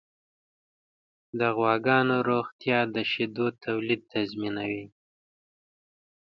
د غواګانو روغتیا د شیدو تولید تضمینوي.